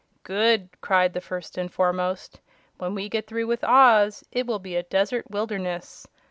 "Good!" cried the First and Foremost. "When we get through with Oz it will be a desert wilderness.